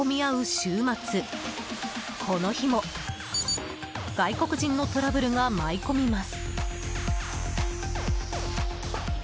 週末この日も外国人のトラブルが舞い込みます。